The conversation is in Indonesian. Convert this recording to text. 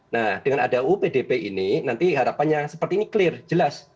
nah dengan ada uu pdp ini nanti harapannya seperti ini clear jelas